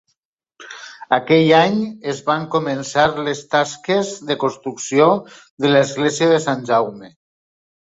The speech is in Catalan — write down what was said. Aquell any es van començar les tasques de construcció de l'església de Sant Jaume.